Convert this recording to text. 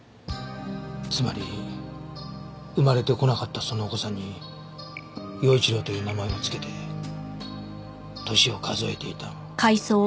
つまり生まれてこなかったそのお子さんに耀一郎という名前を付けて年を数えていた。